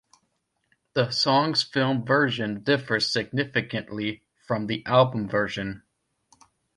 The song's film version differs significantly from the album version.